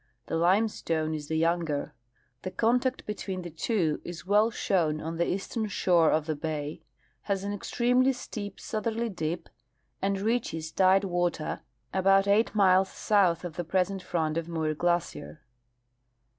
The limestone is the younger. The contact between the two is well shown on the eastern shore of the bay, has an extremely steep southerly dip, and reaches tide water about eight miles south of the present front of Muir glacier.